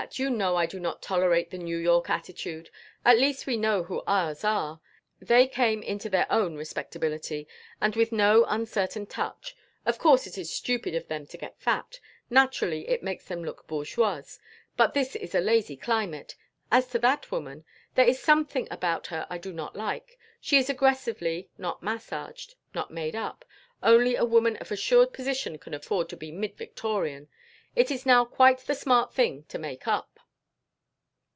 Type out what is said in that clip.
You know that I do not tolerate the New York attitude. At least we know who ours are; they came into their own respectably, and with no uncertain touch. Of course it is stupid of them to get fat. Naturally it makes them look bourgeoise. But this is a lazy climate. As to that woman: there is something about her I do not like. She is aggressively not massaged, not made up. Only a woman of assured position can afford to be mid Victorian. It is now quite the smart thing to make up."